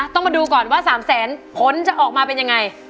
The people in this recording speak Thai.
ต้องมาดูก่อนว่า๓แสนผลจะออกมาเป็นยังไง